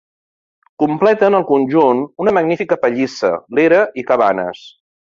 Completen el conjunt una magnífica pallissa, l'era i cabanes.